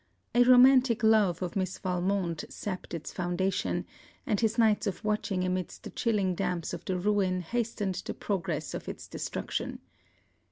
A romantic love of Miss Valmont sapped its foundation, and his nights of watching amidst the chilling damps of the Ruin hastened the progress of its destruction.